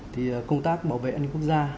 thì công tác bảo vệ an ninh quốc gia